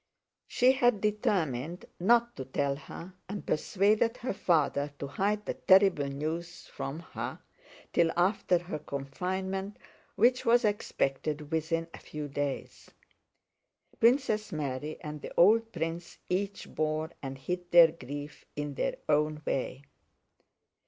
She had determined not to tell her and persuaded her father to hide the terrible news from her till after her confinement, which was expected within a few days. Princess Mary and the old prince each bore and hid their grief in their own way.